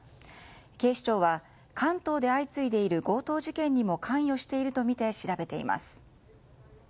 警視庁は関東で相次いでいる強盗事件にも関与しているとみて調べています。